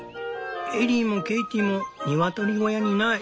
エリーもケイティもニワトリ小屋にいない。